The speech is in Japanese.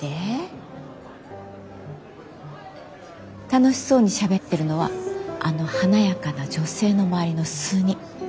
楽しそうにしゃべってるのはあの華やかな女性の周りの数人。